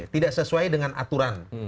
tidak sesuai dengan aturan